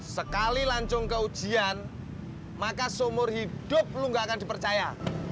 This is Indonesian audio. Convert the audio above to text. sekali lancung ke ujian maka seumur hidup lu gak akan dipercaya